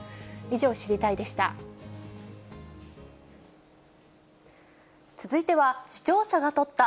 以上、知りたいッ！でした。